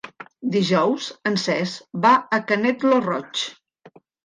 Dijous en Cesc va a Canet lo Roig.